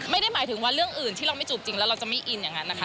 ไม่ได้หมายถึงว่าเรื่องอื่นที่เราไม่จูบจริงแล้วเราจะไม่อินอย่างนั้นนะคะ